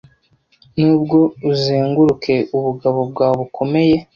Nubwo, uzenguruke ubugabo bwawe bukomeye,